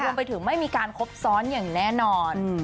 รวมไปถึงไม่มีการครบซ้อนอย่างแน่นอน